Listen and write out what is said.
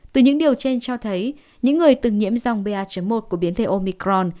từ những điều trên cho thấy những người từng nhiễm dòng ba một của biến thể omicron